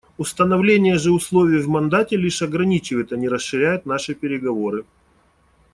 Установление же условий в мандате лишь ограничивает, а не расширяет наши переговоры.